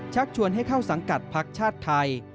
ชักชวนให้เข้าสังกัดพักชาติไทย